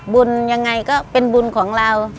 บุญยังไงก็เป็นบุญของเรา